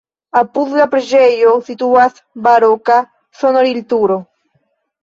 Apud la preĝejo situas baroka sonorilturo.